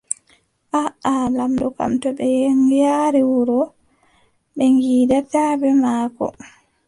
Aaʼa., Lamɗo kam, too ɓe nyari wuro, ɓe ngiidaata bee maako.